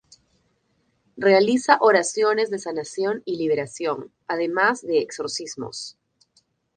Realiza oraciones de sanación y liberación, además de exorcismos.